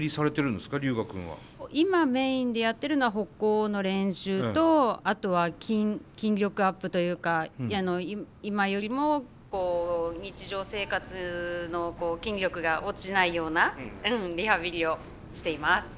今メインでやってるのは歩行の練習とあとは筋力アップというか今よりも日常生活の筋力が落ちないようなリハビリをしています。